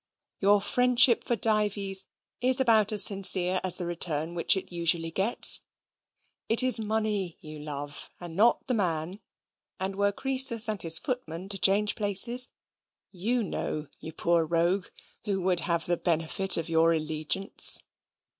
Your friendship for Dives is about as sincere as the return which it usually gets. It is money you love, and not the man; and were Croesus and his footman to change places you know, you poor rogue, who would have the benefit of your allegiance.